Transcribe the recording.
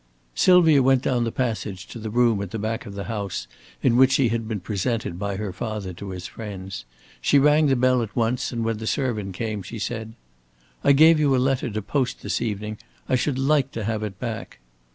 Sylvia went down the passage to the room at the back of the house in which she had been presented by her father to his friends. She rang the bell at once and when the servant came she said: "I gave you a letter to post this evening. I should like to have it back."